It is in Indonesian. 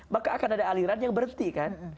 maka akan ada aliran yang berhenti kan